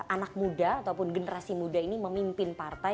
anak muda ataupun generasi muda ini memimpin partai